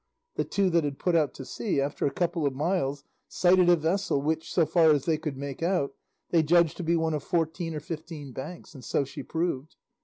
The two that had put out to sea, after a couple of miles sighted a vessel which, so far as they could make out, they judged to be one of fourteen or fifteen banks, and so she proved.